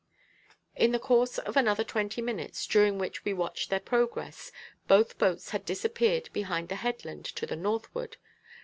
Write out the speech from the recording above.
In the course of another twenty minutes, during which we watched their progress, both boats had disappeared behind the headland to the northward.